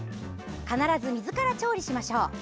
必ず水から調理しましょう。